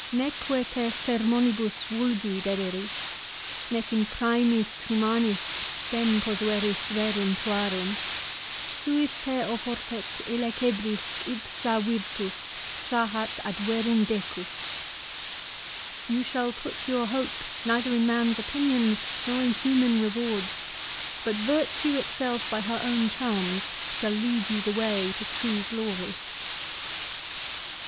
" Neque te sermonibus vulgi dederis, nee in praimis humanis spem posueris rerum tuarum ; suis te oportet illecebris ipsa virtus trahat ad verum decus." 5 " You shall put your hope neither in man's opinion nor in human rewards ; but virtue itself by her own charms shall lead you the way to true glory."